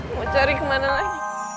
mau cari kemana lagi